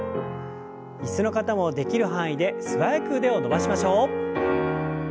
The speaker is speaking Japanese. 椅子の方もできる範囲で素早く腕を伸ばしましょう。